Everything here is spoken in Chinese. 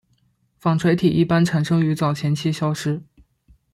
纺锤体一般产生于早前期消失。